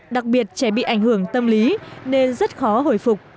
đặc biệt trẻ bị ảnh hưởng tâm lý nên rất khó hồi phục